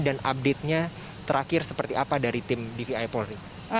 dan update nya terakhir seperti apa dari tim dvi polri